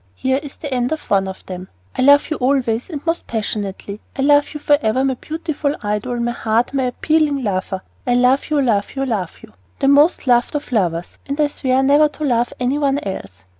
Here is the end of one of them: I love you always and most passionately. I love you for ever, my beautiful idol, my heart, my appealing lover. I love you, love you, love you, the most loved of lovers, and I swear never to love any one else!